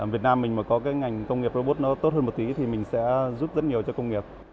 việt nam mình có ngành công nghiệp robot tốt hơn một tí thì mình sẽ giúp rất nhiều cho công nghiệp